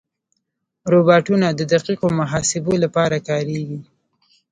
روبوټونه د دقیقو محاسبو لپاره کارېږي.